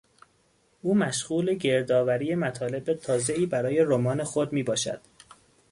او مشغول گردآوری مطالب تازهای برای رمان خود میباشد.